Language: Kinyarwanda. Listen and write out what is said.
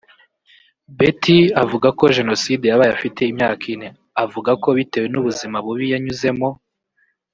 Betty avuga ko Jenoside yabaye afite imyaka ine avuga ko bitewe n’ubuzima bubi yanyuzemo